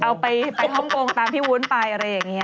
เอาไปฮ่องกงตามพี่วุ้นไปอะไรอย่างนี้